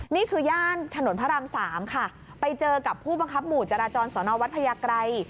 นี่คือย่างถนนพระราม๓ค่ะไปเจอกับผู้บังคับหมู่จัรจรัจรสวนอวัฒนภรยากรัย